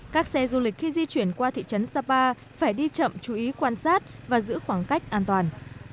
các xe du lịch khi di chuyển qua thị trấn sapa phải đi chậm chú ý quan sát và giữ khoảng cách an toàn